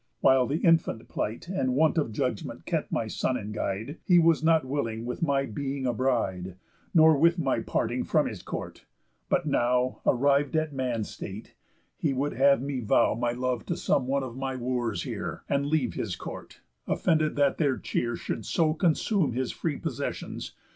While the infant plight And want of judgment kept my son in guide, He was not willing with my being a bride, Nor with my parting from his court; but now, Arriv'd at man's state, he would have me vow My love to some one of my Wooers here, And leave his court; offended that their cheer Should so consume his free possessions.